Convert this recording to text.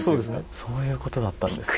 そういうことだったんですね。